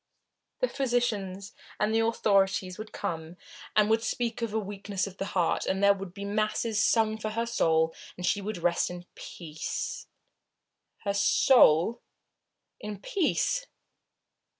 The physicians and the authorities would come and would speak of a weakness of the heart, and there would be masses sung for her soul, and she would rest in peace. Her soul? In peace?